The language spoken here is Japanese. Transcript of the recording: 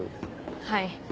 はい。